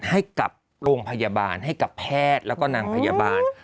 ให้กับโรงพยาบาลให้กับแพทย์แล้วก็นางพยาบาล